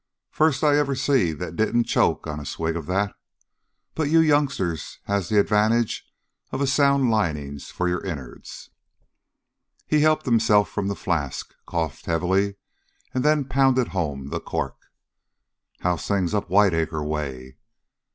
"First I ever see that didn't choke on a swig of that. But you youngsters has the advantage of a sound lining for your innards." He helped himself from the flask, coughed heavily, and then pounded home the cork. "How's things up Whiteacre way?"